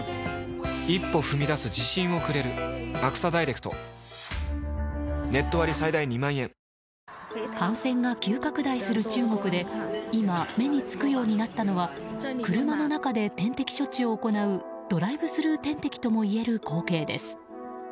「クノールスープ ＤＥＬＩ」感染が急拡大する中国で今、目につくようになったのは車の中で点滴処置を行うドライブスルー点滴ともいえる光景です。